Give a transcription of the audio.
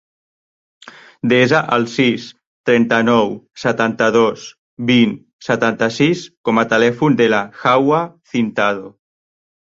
Desa el sis, trenta-nou, setanta-dos, vint, setanta-sis com a telèfon de la Hawa Cintado.